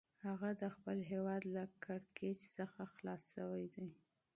هغه به د خپل هیواد له کړکېچ څخه خلاص شوی وي.